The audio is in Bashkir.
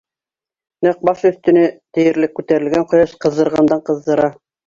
Нәҡ баш өҫтөнә тиерлек күтәрелгән ҡояш ҡыҙҙырғандан-ҡыҙҙыра.